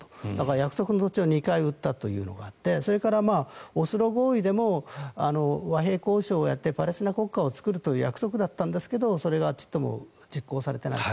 約束の土地を２回売ったというのがあってそれからオスロ合意でも和平交渉をやってパレスチナ国家を作るという約束だったんですがそれがちっとも実行されてなかった。